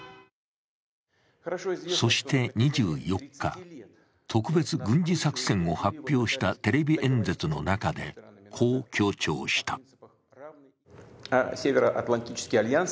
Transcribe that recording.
そして２４日、特別軍事作戦を発表したテレビ演説の中で、こう強調した。